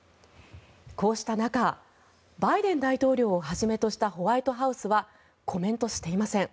こうした中バイデン大統領をはじめとしたホワイトハウスはコメントしていません。